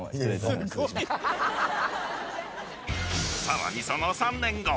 ［さらにその３年後］